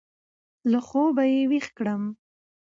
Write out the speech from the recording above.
له خوابه يې وېښ کړم.